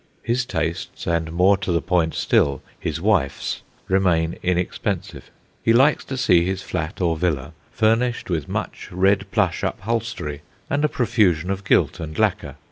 His tastes, and, more to the point still, his wife's, remain inexpensive. He likes to see his flat or villa furnished with much red plush upholstery and a profusion of gilt and lacquer.